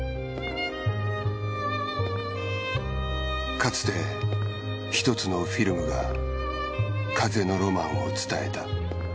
かつてひとつのフィルムが風のロマンを伝えた。